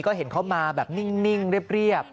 ก็เห็นเขามาแบบนิ่งเรียบ